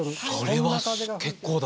それは結構だわ。